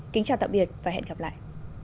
kính chào tạm biệt và hẹn gặp lại